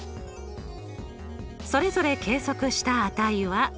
それぞれ計測した値は。